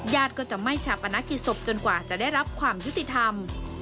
ก็จะไม่ชาปนกิจศพจนกว่าจะได้รับความยุติธรรม